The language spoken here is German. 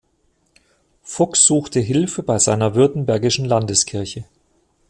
Fuchs suchte Hilfe bei seiner Württembergischen Landeskirche.